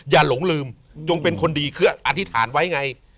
หลงลืมจงเป็นคนดีคืออธิษฐานไว้ไง